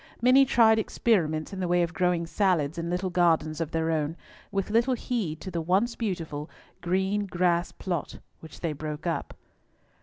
Many tried experiments in the way of growing salads in little gardens of their own, with little heed to the once beautiful green grass plot which they broke up.